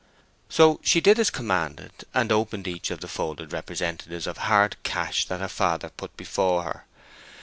So she did as commanded, and opened each of the folded representatives of hard cash that her father put before her.